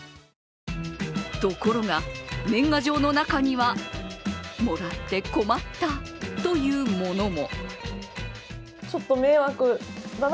ところが、年賀状の中にはもらって困ったというものも。